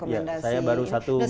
ya karena saya baru satu minggu